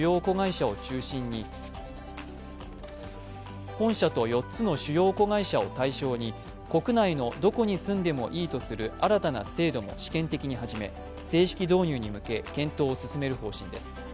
また、本社と４つの主要子会社を対象に国内のどこに住んでもいいとする新たな制度も試験的に始め正式導入に向け、検討を進める方針です。